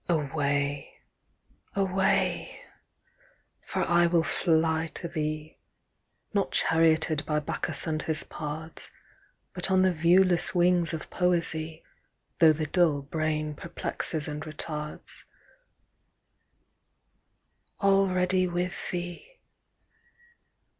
4.Away! away! for I will fly to thee, Not charioted by Bacchus and his pards, But on the viewless wings of Poesy, Though the dull brain perplexes and retards:Already with thee!